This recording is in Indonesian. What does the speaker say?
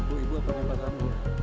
bu ibu apanya pak sambu